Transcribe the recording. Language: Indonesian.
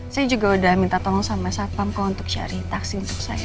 saya juga udah minta tolong sama satpamko untuk cari taksi untuk saya